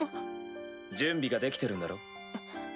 準備ができてるんだろ？